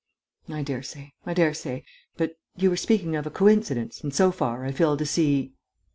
"I dare say ... I dare say.... But you were speaking of a coincidence and, so far, I fail to see...."